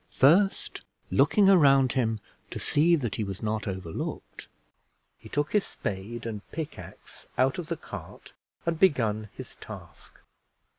First looking around him to see that he was not overlooked, he took his spade and pick ax out of the cart and begun his task.